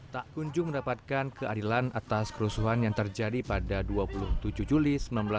tak kunjung mendapatkan keadilan atas kerusuhan yang terjadi pada dua puluh tujuh juli seribu sembilan ratus enam puluh